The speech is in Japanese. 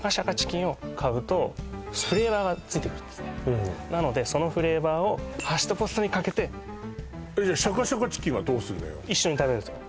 そこでフレーバーが付いてくるんですねなのでそのフレーバーをハッシュドポテトにかけてじゃあシャカシャカチキンはどうすんのよ一緒に食べるんですよ